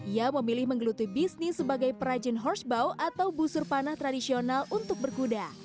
ia memilih menggelutui bisnis sebagai perajin horse bow atau busur panah tradisional untuk berkuda